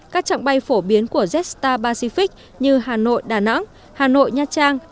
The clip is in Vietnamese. các trạng bay phổ biến của jetstar pacific như hà nội đà nẵng hà nội nha trang